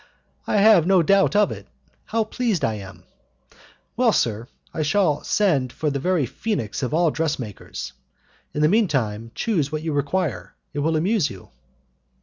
"I have no doubt of it. How pleased I am! Well, sir, I shall send for the very phoenix of all dressmakers. In the mean time, choose what you require, it will amuse you."